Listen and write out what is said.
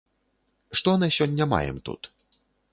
Што на сёння маем тут?